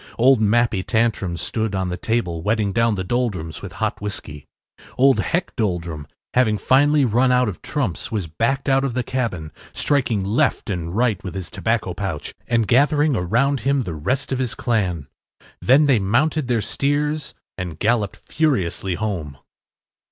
Old Mappy Tantrum stood on the table wetting down the Doldrums with hot whiskey. Old Heck Doldrum, having finally run out of trumps, was backed out of the cabin, striking left and right with his tobacco pouch, and gathering around him the rest of his clan. Then they mounted their steers and galloped furiously home.